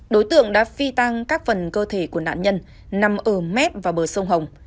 đối tượng đã phi tàng các phần cơ thể của nạn nhân nằm ở mét và bờ sông hồng